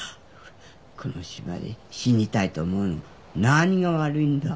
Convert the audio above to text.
この島で死にたいと思うのが何が悪いんだ。